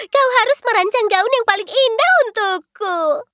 kau harus merancang gaun yang paling indah untukku